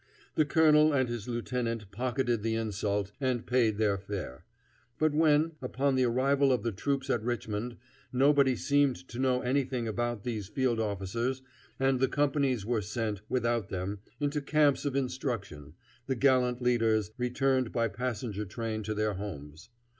The colonel and his lieutenant pocketed the insult and paid their fare; but when, upon the arrival of the troops at Richmond, nobody seemed to know anything about these field officers, and the companies were sent, without them, into camps of instruction, the gallant leaders returned by passenger train to their homes.